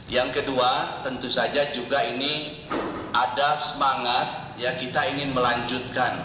yang kedua tentu saja juga ini ada semangat ya kita ingin melanjutkan